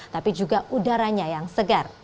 tapi juga udaranya yang segar